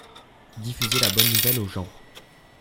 Diffuser la bonne nouvelle aux gens.